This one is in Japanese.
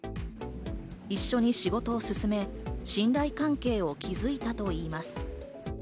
一緒に仕事を進め信頼関係を築いたといいます。